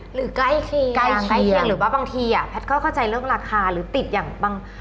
หรือใกล้เคียงหรือว่าบางทีอะแพทย์ก็เข้าใจเรื่องราคาหรือติดอย่างบาง